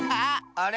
あれ？